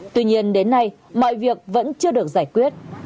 tuy nhiên đến nay mọi việc vẫn chưa được giải quyết